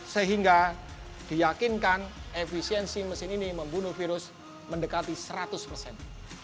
sehingga diyakinkan efisiensi mesin ini membunuh virus mendekati seratus persen